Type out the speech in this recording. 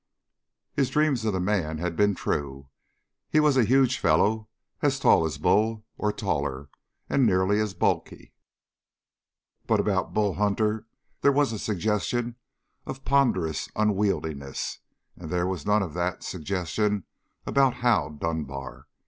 His dreams of the man had been true. He was a huge fellow, as tall as Bull, or taller, and nearly as bulky. But about Bull Hunter there was a suggestion of ponderous unwieldiness, and there was none of that suggestion about Hal Dunbar.